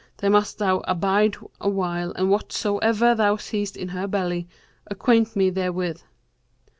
There must thou abide awhile and whatsoever thou seest in her belly, acquaint me therewith.'